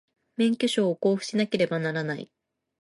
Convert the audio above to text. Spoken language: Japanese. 免許証を交付しなければならない